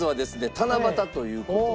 七夕という事で。